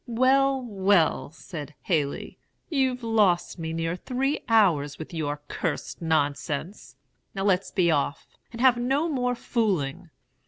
"'Well, well!' said Haley, 'you've lost me near three hours with your cursed nonsense. Now let's be off, and have no more fooling.'